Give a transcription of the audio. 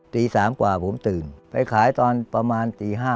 ตี๓กว่าผมตื่นไปขายตอนประมาณตี๕